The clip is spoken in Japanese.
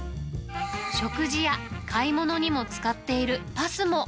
食事や買い物にも使っているＰＡＳＭＯ。